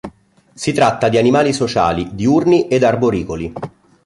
Si tratta di animali sociali, diurni ed arboricoli.